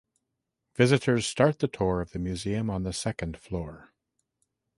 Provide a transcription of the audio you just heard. Visitors start the tour of the museum on the second floor.